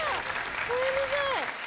ごめんなさい。